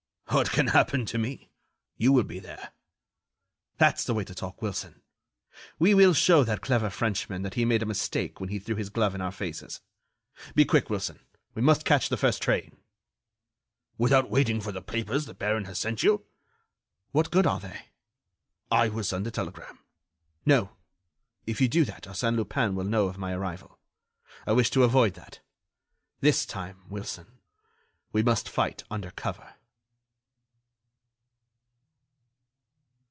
"What can happen to me? You will be there." "That's the way to talk, Wilson. We will show that clever Frenchman that he made a mistake when he threw his glove in our faces. Be quick, Wilson, we must catch the first train." "Without waiting for the papers the baron has sent you?" "What good are they?" "I will send a telegram." "No; if you do that, Arsène Lupin will know of my arrival. I wish to avoid that. This time, Wilson, we must fight under cover."